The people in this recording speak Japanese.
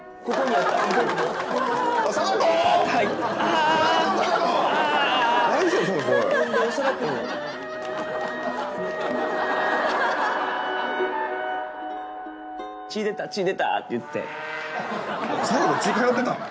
あっ最後血通ってたん？